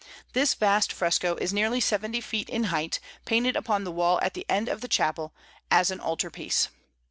This vast fresco is nearly seventy feet in height, painted upon the wall at the end of the chapel, as an altar piece.